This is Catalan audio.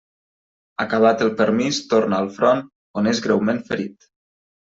Acabat el permís torna al front, on és greument ferit.